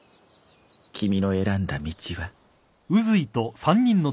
君の選んだ道は。